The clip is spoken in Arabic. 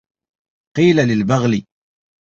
قيل للبغل